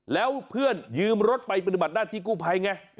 แล้วเพื่อนยืมรถไปปฏิบัติหน้าที่กู้ภัยไง